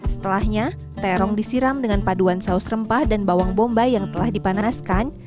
setelahnya terong disiram dengan paduan saus rempah dan bawang bombay yang telah dipanaskan